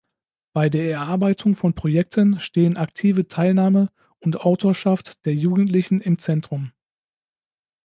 Bei der Erarbeitung von Projekten stehen aktive Teilnahme und Autorschaft der Jugendlichen im Zentrum.